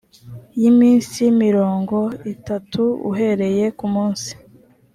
y iminsi mirongo itatu uhereye ku munsi